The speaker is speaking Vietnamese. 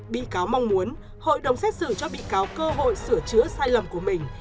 bị cáo mong muốn hội đồng xét xử cho bị cáo cơ hội sửa chữa sai lầm của mình